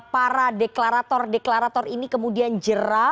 para deklarator deklarator ini kemudian jerah